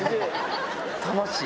楽しい。